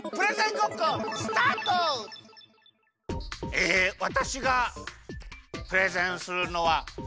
えわたしがプレゼンするのはこれです！